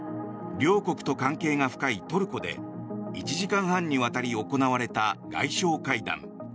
両国と関係が深いトルコで１時間半にわたり行われた外相会談。